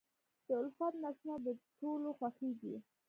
د الفت نثرونه د ټولو خوښېږي.